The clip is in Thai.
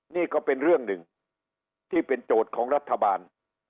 นี่ก็เป็นเรื่องหนึ่งที่เป็นโจทย์ของรัฐบาล